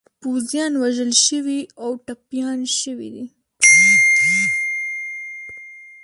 پوځیان وژل شوي او ټپیان شوي دي.